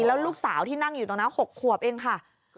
แล้วลูกสาวที่นั่งอยู่ตรงนั้น๖ขวบเองค่ะ